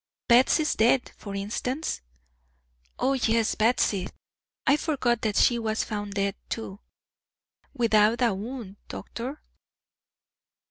"Batsy's death, for instance?" "O yes, Batsy! I forgot that she was found dead too." "Without a wound, doctor."